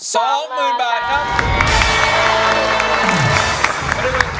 ๒หมื่นบาทครับ